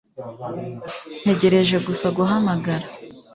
Ntegereje gusa guhamagara